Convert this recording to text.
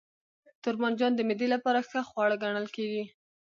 توربانجان د معدې لپاره ښه خواړه ګڼل کېږي.